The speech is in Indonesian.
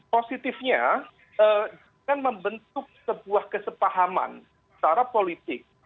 positifnya jangan membentuk sebuah kesepahaman secara politik